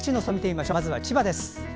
まずは千葉です。